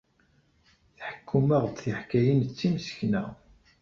Tḥekkum-aɣ-d tiḥkayin d timsekna.